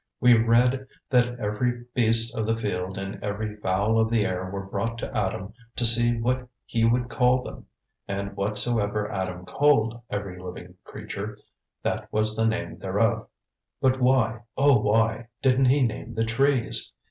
We read that every beast of the field and every fowl of the air were brought to Adam to see what he would call them; and whatsoever Adam called every living creature, that was the name thereof. But why, oh why, didn't he name the trees?